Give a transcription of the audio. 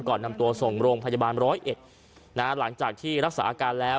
ก่อนนำตัวส่งโรงพัจจุบัน๑๐๑หลังจากที่รักษาการแล้ว